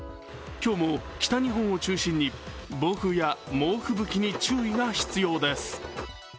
今日も北日本を中心に暴風や猛吹雪に注意が必要です。